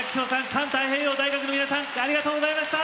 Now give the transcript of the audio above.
環太平洋大学の皆さんありがとうございました！